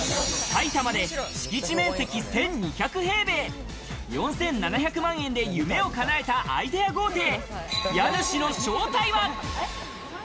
埼玉で敷地面積１２００平米、４７００万円で夢をかなえたアイデア豪邸。